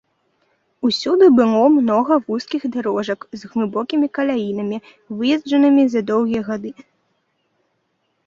Усюды было многа вузкіх дарожак з глыбокімі каляінамі, выезджанымі за доўгія гады.